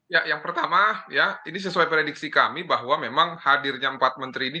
ya yang pertama ya ini sesuai prediksi kami bahwa memang hadirnya empat menteri ini